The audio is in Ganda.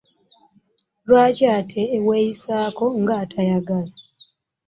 Lwaki ate weeyisaako ng'atayagala?